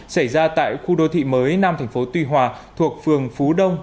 xảy ra tại khu đô thị mới nam tp tuy hòa thuộc phường phú đông